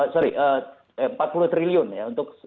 sorry empat puluh triliun ya untuk